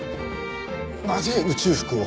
なぜ宇宙服を？